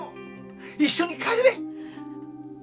一緒に帰れ。